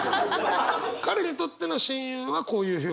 彼にとっての親友はこういう表現。